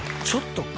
ちょっと。